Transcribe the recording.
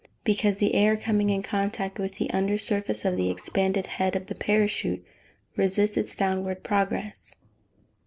_ Because the air, coming in contact with the under surface of the expanded head of the parachute resists its downward progress.